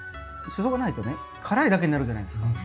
シソがないとね辛いだけになるじゃないですか。